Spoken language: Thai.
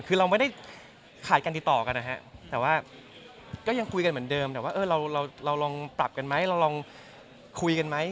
คือเราไม่ได้ขาดการติดต่อกันนะฮะแต่ว่าก็ยังคุยกันเหมือนเดิมแต่ว่าเราลองปรับกันไหมเราลองคุยกันไหม